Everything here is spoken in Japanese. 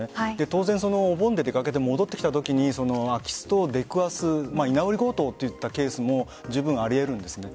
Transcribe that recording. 当然、お盆で出かけて戻ってきたときに空き巣と出くわす居直り強盗といったケースもじゅうぶんあり得るんです。